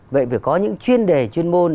vậy phải có những chuyên đề chuyên môn